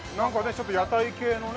ちょっと屋台系のね